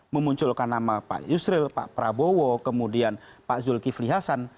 memunculkan nama pak yusril pak prabowo kemudian pak zulkifli hasan